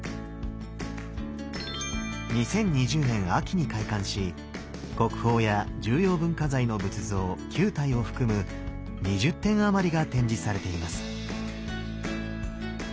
２０２０年秋に開館し国宝や重要文化財の仏像９体を含む２０点余りが展示されています。